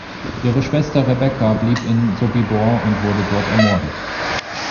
Ihre Schwester Rebecca blieb in Sobibor und wurde dort ermordet.